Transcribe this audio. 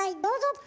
どうぞ！